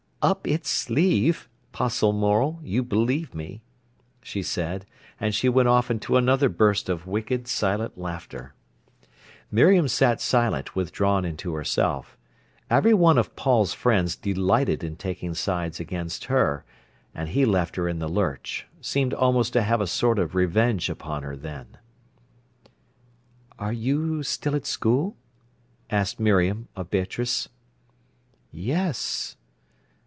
"Up its sleeve, 'Postle Morel—you believe me," she said; and she went off into another burst of wicked, silent laughter. Miriam sat silent, withdrawn into herself. Every one of Paul's friends delighted in taking sides against her, and he left her in the lurch—seemed almost to have a sort of revenge upon her then. "Are you still at school?" asked Miriam of Beatrice. "Yes."